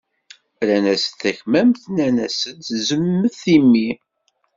Rran-asen takmamt, nnan-asen zemmet imi.